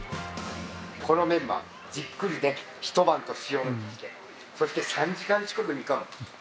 このメンマ、じっくりね、一晩と塩抜きして、そして３時間近く煮込む。